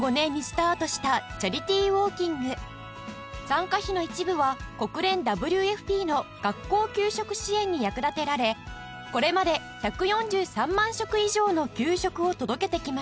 参加費の一部は国連 ＷＦＰ の学校給食支援に役立てられこれまで１４３万食以上の給食を届けてきました